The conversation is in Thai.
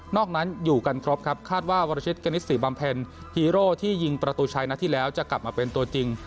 นั้นอยู่กันครบครับคาดว่าวรชิตกณิตศรีบำเพ็ญฮีโร่ที่ยิงประตูชัยนัดที่แล้วจะกลับมาเป็นตัวจริง